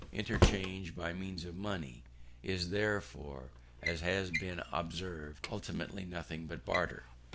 Interchange by means of money is therefore, as has been often observed, ultimately nothing but barter.